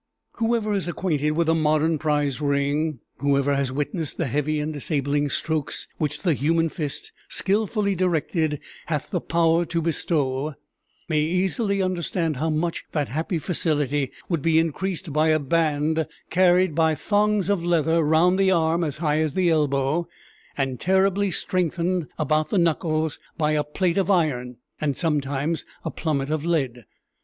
Whoever is acquainted with the modern prize ring whoever has witnessed the heavy and disabling strokes which the human fist, skillfully directed, hath the power to bestow may easily understand how much that happy facility would be increased by a band carried by thongs of leather round the arm as high as the elbow, and terribly strengthened about the knuckles by a plate of iron, and sometimes a plummet of lead.